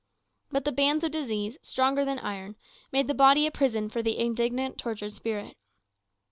But the bands of disease, stronger than iron, made the body a prison for the indignant, tortured spirit.